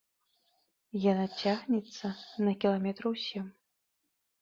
Яна цягнецца на кіламетраў сем.